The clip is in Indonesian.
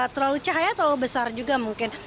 terlalu cahaya terlalu besar juga mungkin